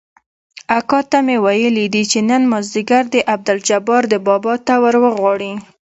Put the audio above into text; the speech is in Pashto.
اکا ته مې ويلي دي چې نن مازديګر دې عبدالجبار ده بابا ته وروغواړي.